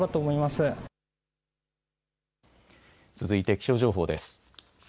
続いて気象情報です。